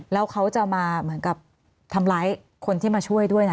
แล้วเขาจะมาเหมือนกับทำร้ายคนที่มาช่วยด้วยนะ